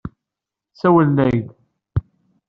Sawlen-ak-d.